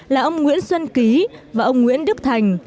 là ông nguyễn xuân ký và ông nguyễn đức thành